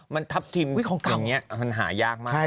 มันทับทิมอย่างนี้มันหายากมากเลย